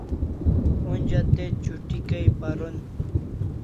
Onja te chuti kai paron